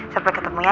sampai ketemu ya